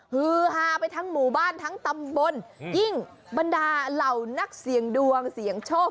ฮือฮาไปทั้งหมู่บ้านทั้งตำบลยิ่งบรรดาเหล่านักเสี่ยงดวงเสี่ยงโชค